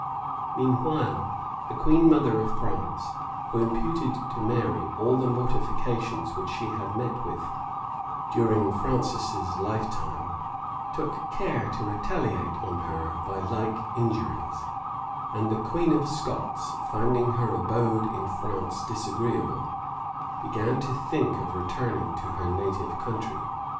Meanwhile the queen mother of France, who imputed to Mary all the mortifications which she had met with during Francis's lifetime, took care to retaliate on her by like injuries; and the queen of Scots, finding her abode in France disagreeable, began to think of returning to her native country.